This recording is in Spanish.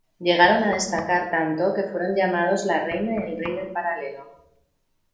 Llegaron a destacar tanto que fueron llamados la reina y el rey del Paralelo.